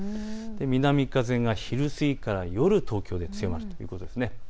南風が昼過ぎから夜、東京で強まるということです。